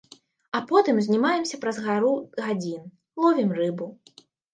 А потым узнімаемся праз пару гадзін, ловім рыбу.